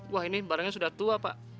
wah ini barangnya sudah tua pak